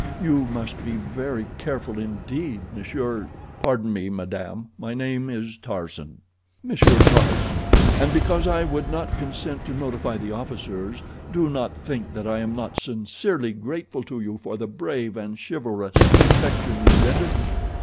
You must be very careful indeed, Monsieur—" "Pardon me, madame, my name is Tarzan." "Monsieur Tarzan. And because I would not consent to notify the officers, do not think that I am not sincerely grateful to you for the brave and chivalrous protection you rendered me.